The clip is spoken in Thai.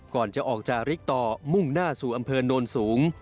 ก่อนจะออกจากริกต่อมุ่งหน้าสู่อำเภอโนนสูง